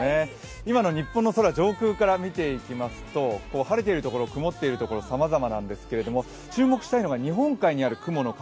今の日本の空上空から見ていきますと、晴れているところ曇っているところさまざまなんですけれども、注目したいのが日本海にある雲の塊。